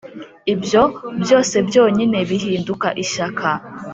ibyo, byose byonyine, bihinduka ishyaka.